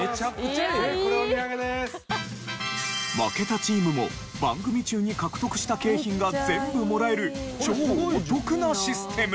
負けたチームも番組中に獲得した景品が全部もらえる超お得なシステム。